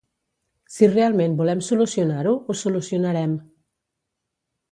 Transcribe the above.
Si realment volem solucionar-ho, ho solucionarem.